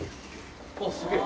あっすげぇ！